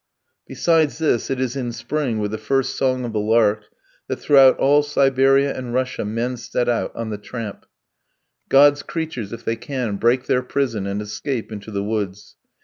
Besides this, it is in spring with the first song of the lark that throughout all Siberia and Russia men set out on the tramp; God's creatures, if they can, break their prison and escape into the woods.